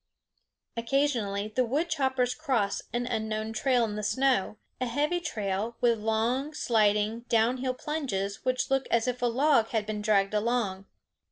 Occasionally the wood choppers cross an unknown trail in the snow, a heavy trail, with long, sliding, down hill plunges which look as if a log had been dragged along.